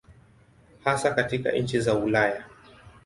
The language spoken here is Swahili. Hasa katika nchi za Ulaya.